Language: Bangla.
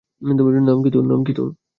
নাম কী তোর?